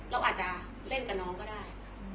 เราอาจจะเล่นกับน้องก็ได้